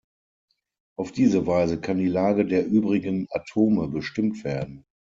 Auf diese Weise kann die Lage der übrigen Atome bestimmt werden.